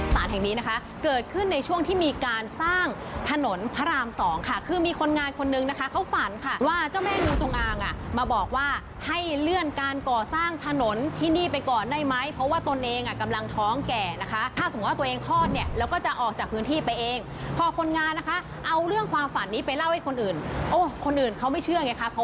สารแห่งนี้นะคะเกิดขึ้นในช่วงที่มีการสร้างถนนพระรามสองค่ะคือมีคนงานคนนึงนะคะเขาฝันค่ะว่าเจ้าแม่งูจงอางอ่ะมาบอกว่าให้เลื่อนการก่อสร้างถนนที่นี่ไปก่อนได้ไหมเพราะว่าตนเองอ่ะกำลังท้องแก่นะคะถ้าสมมุติว่าตัวเองคลอดเนี่ยแล้วก็จะออกจากพื้นที่ไปเองพอคนงานนะคะเอาเรื่องความฝันนี้ไปเล่าให้คนอื่นโอ้คนอื่นเขาไม่เชื่อไงคะ